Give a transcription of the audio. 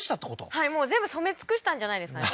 はいもう全部染め尽くしたんじゃないですかね